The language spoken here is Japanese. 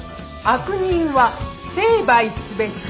「悪人は成敗すべし」。